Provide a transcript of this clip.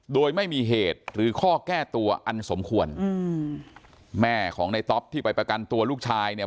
โดยไม่มีเหตุหรือข้อแก้ตัวอันสมควรอืมแม่ของในต๊อปที่ไปประกันตัวลูกชายเนี่ย